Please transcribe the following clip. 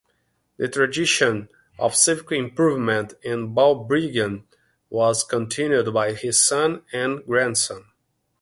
The tradition of civic improvement in Balbriggan was continued by his son and grandson.